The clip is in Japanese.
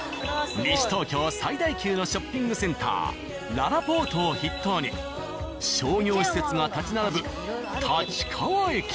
西東京最大級のショッピングセンターららぽーとを筆頭に商業施設が立ち並ぶ立川駅。